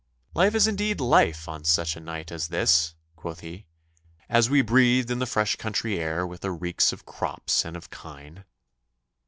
'Life is indeed life on such a night as this,' quoth he, as we breathed in the fresh country air with the reeks of crops and of kine.